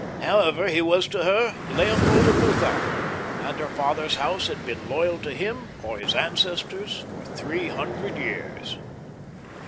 However, he was to her Leopold of Lutha, and her father's house had been loyal to him or his ancestors for three hundred years.